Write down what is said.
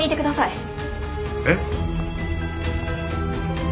えっ。